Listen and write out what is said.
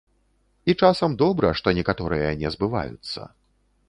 І часам добра, што некаторыя не збываюцца.